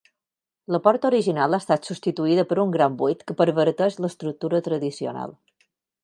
La porta original ha estat substituïda per un gran buit que perverteix l'estructura tradicional.